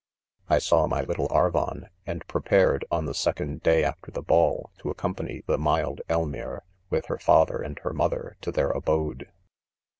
1 1 sawmy little ArvOn^ and prepared,' oirthe second day after the ball, to accompany the mild Eltiiire,' with her father and her mother, to their abode.